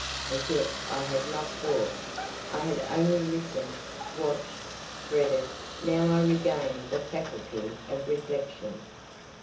As yet I had not thought; I had only listened, watched, dreaded; now I regained the faculty of reflection.